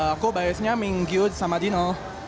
aku biasanya mingyu sama dino